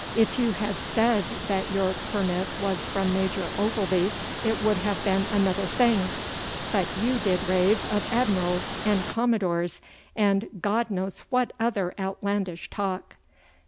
'If you had said that your permit was from Major Ogilvy it would have been another thing, but you did rave of admirals and commodores, and God knows what other outlandish talk!